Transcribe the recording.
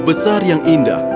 bahwa ia sangat indah